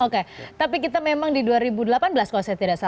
oke tapi kita memang di dua ribu delapan belas kalau saya tidak salah